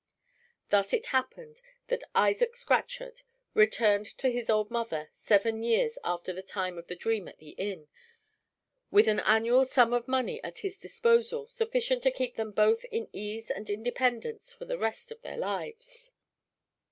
Thus it happened that Isaac Scatchard returned to his old mother, seven years after the time of the dream at the inn, with an annual sum of money at his disposal sufficient to keep them both in ease and independence for the rest of their lives.